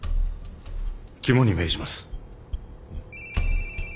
肝に銘じます。